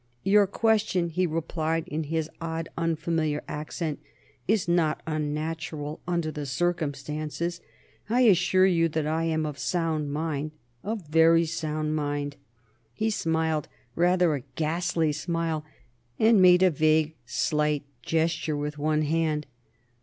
"Your question," he replied in his odd, unfamiliar accent, "is not unnatural, under the circumstances. I assure you that I am of sound mind; of very sound mind." He smiled, rather a ghastly smile, and made a vague, slight gesture with one hand.